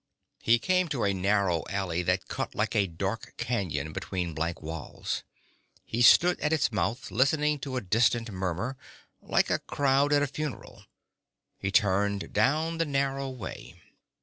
He came to a narrow alley that cut like a dark canyon between blank walls. He stood at its mouth, listening to a distant murmur, like a crowd at a funeral. He turned down the narrow way.